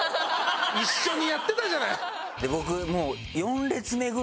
一緒にやってたじゃない！